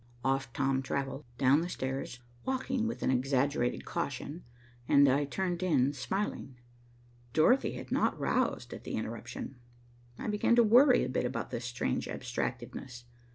Off Tom travelled, down the stairs, walking with an exaggerated caution, and I turned in, smiling. Dorothy had not roused at the interruption. I began to worry a bit about this strange abstractedness.